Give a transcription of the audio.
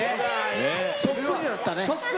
そっくりだったね。